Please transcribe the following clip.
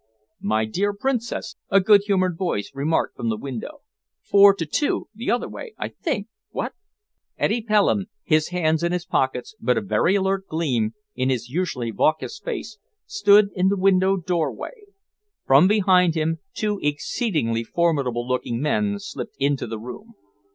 "My dear Princess," a good humoured voice remarked from the window, "four to two the other way, I think, what?" Eddy Pelham, his hands in his pockets, but a very alert gleam in his usually vacuous face, stood in the windowed doorway. From behind him, two exceedingly formidable looking men slipped into the room.